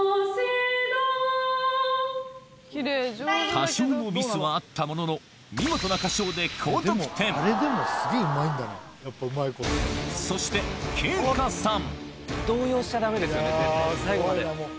多少のミスはあったものの見事な歌唱で高得点そしてけいかさん